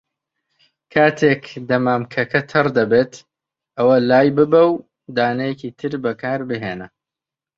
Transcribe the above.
کاتێک دەمامکەکە تەڕ دەبێت، ئەوە لایببە و دانەیەکی تر بەکاربهێنە.